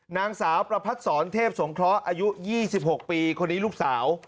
นางสาวประพัดศรเทพสงเคราะห์อายุ๒๖ปีคนนี้ลูกสาว